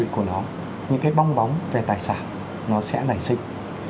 những hệ thống xã hội của nó những cái bong bóng về tài sản nó sẽ nảy sinh